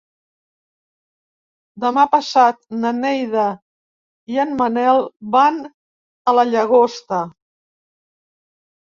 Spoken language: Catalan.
Demà passat na Neida i en Manel van a la Llagosta.